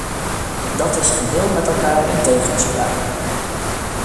Dat is geheel met elkaar in tegenspraak.